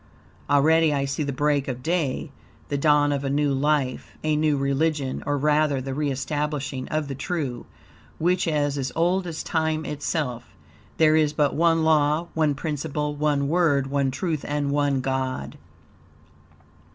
Already I see the break of day, the dawn of a new life, a new religion; or, rather, the re establishing of the true, which is as old as Time itself. There is but One Law, One Principle, One Word, One Truth and One God.